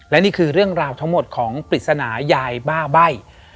และนี่คือเรื่องราวทั้งหมดของปริศนายายบ้าใบ้